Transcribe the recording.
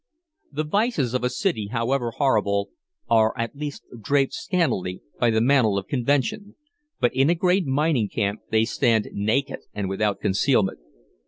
The vices of a city, however horrible, are at least draped scantily by the mantle of convention, but in a great mining camp they stand naked and without concealment.